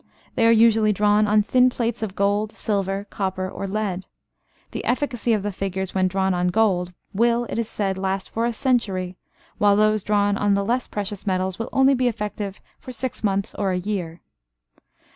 They are usually drawn on thin plates of gold, silver, copper, or lead. The efficacy of the figures, when drawn on gold, will, it is said, last for a century, while those drawn on the less precious metals will only be effective for six months or a year.